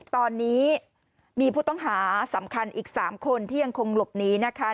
ตอนนี้มีผู้ต้องหาสำคัญอีก๓คนที่ยังคงหลบหนีนะคะ